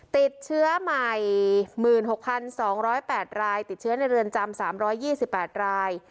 ติดเชื้อใหม่๑๖๒๐๘รายติดเชื้อในเรือนจำ๓๒๘ราย